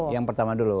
yang pertama dulu